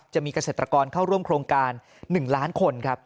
จะมีเกษตรกรเข้าร่วมโครงการ๑ล้านคนครับ